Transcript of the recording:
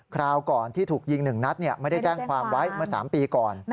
คราวก่อนที่ถูกยิง๑นัดไม่ได้แจ้งความไว้เมื่อ๓ปีก่อน